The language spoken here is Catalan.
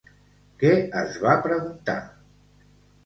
Què es va preguntar?